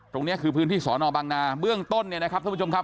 ตรงนี้คือพื้นที่สอนอบังนาเบื้องต้นเนี่ยนะครับท่านผู้ชมครับ